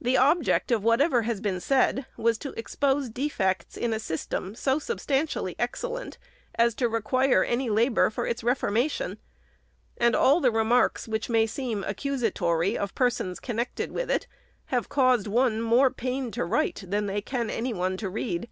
The object of whatever has been said was to expose defects in a system so substantially 432 THE SECRETARY'S FIRST ANNUAL REPORT. excellent, as to requite any labor for its reformation ; and all the remarks which may seem accusatory of persons connected with it have caused ine more pain to write, than they can any one to read.